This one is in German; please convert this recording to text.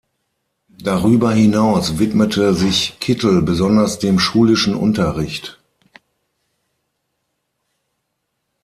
Darüber hinaus widmete sich Kittel besonders dem schulischen Unterricht.